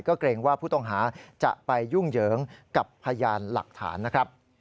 ก็เกรงว่าผู้ต้องหาจะไปยุ่งเหยิงกับพยานหลักฐานนะครับ